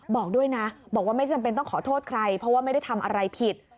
บอกด้วยนะบอกว่าไม่จำเป็นต้องขอโทษใครเพราะว่าไม่ได้ทำอะไรผิด